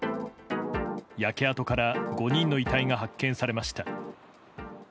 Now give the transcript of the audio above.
焼け跡から５人の遺体が発見されました。